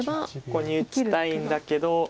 ここに打ちたいんだけど。